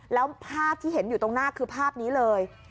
แล้วภาพที่เห็นอยู่ตรงหน้าคือภาพนี้เลย